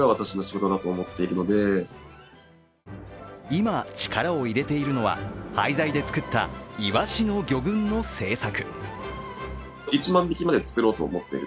今、力を入れているのは廃材でつくったいわしの魚群の製作。